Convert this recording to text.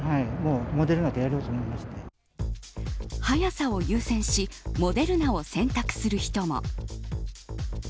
早さを優先しモデルナを選択する人も。